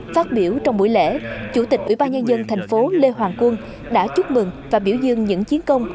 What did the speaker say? phát biểu trong buổi lễ chủ tịch ủy ban nhân dân thành phố lê hoàng quân đã chúc mừng và biểu dương những chiến công